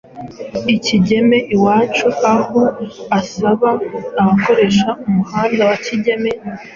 Kigeme Iwacu aho asaba abakoresha umuhanda wa Kigeme